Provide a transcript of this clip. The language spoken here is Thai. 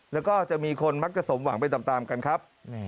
แล้วก็จะมีคนมักจะสมหวังไปตามกันครับ